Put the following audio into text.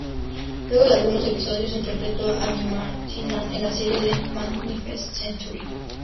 Luego de algunos episodios, interpretó a Mimar Sinan en la serie The Magnificent Century.